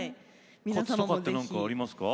コツとかって何かありますか？